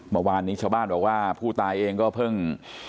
เมื่อวานนี้ชาวบ้านบอกว่าผู้ตายเองก็เพิ่ง